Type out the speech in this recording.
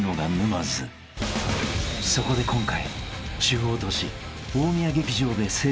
［そこで今回］